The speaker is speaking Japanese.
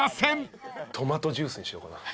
トマトジュースにしようかな。